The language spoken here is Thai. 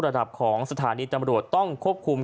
ระดับของสถานีตำรวจต้องควบคุม